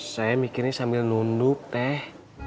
saya mikirnya sambil nunduk teh